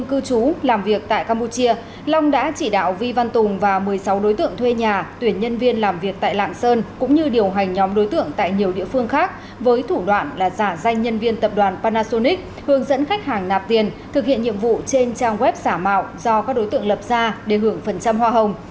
cư trú làm việc tại campuchia long đã chỉ đạo vi văn tùng và một mươi sáu đối tượng thuê nhà tuyển nhân viên làm việc tại lạng sơn cũng như điều hành nhóm đối tượng tại nhiều địa phương khác với thủ đoạn là giả danh nhân viên tập đoàn panasonic hướng dẫn khách hàng nạp tiền thực hiện nhiệm vụ trên trang web xả mạo do các đối tượng lập ra để hưởng phần trăm hoa hồng